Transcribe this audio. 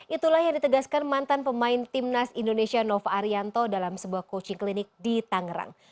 itulah yang ditegaskan mantan pemain timnas indonesia nova arianto dalam sebuah coaching klinik di tangerang